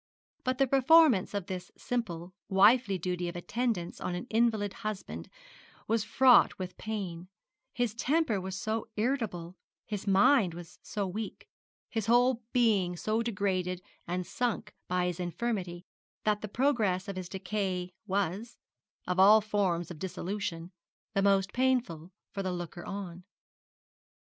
But the performance of this simple, wifely duty of attendance on an invalid husband was fraught with pain: his temper was so irritable, his mind was so weak, his whole being so degraded and sunk by his infirmity, that the progress of his decay was, of all forms of dissolution, the most painful for the looker on.